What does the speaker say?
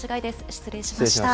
失礼しました。